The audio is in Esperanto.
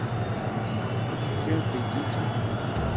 Kion kritiki?